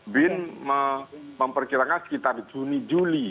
bin memperkirakan sekitar juni juli